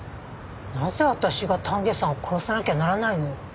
なぜ私が丹下さんを殺さなきゃならないの？